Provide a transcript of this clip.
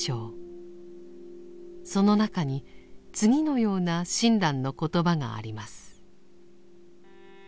その中に次のような親鸞の言葉があります。